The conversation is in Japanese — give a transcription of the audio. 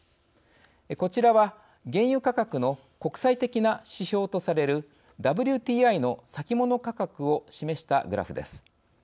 こちらは、原油価格の国際的な指標とされるＷＴＩの先物価格を示したグラフです。